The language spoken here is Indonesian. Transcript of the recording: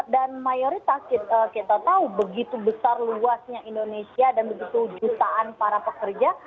dan mayoritas kita tahu begitu besar luasnya indonesia dan begitu jutaan para pekerja